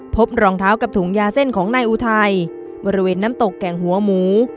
พบรองเท้ากับถุงยาเส้นของนายอุทัยบริเวณน้ำตกแก่งหัวหมู